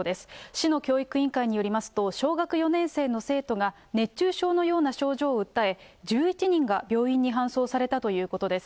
市の教育委員会によりますと、小学４年生の生徒が、熱中症のような症状を訴え、１１人が病院に搬送されたということです。